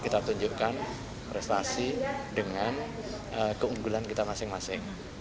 kita tunjukkan prestasi dengan keunggulan kita masing masing